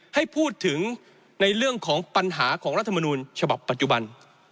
ให้พูดถึงในเรื่องของปัญหาของรัฐมนูลฉบับปัจจุบัน